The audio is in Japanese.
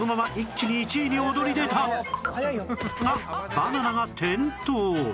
バナナが転倒